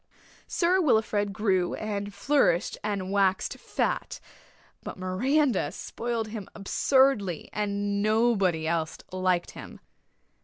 Sir Wilfrid grew and flourished and waxed fat; but Miranda spoiled him absurdly and nobody else liked him.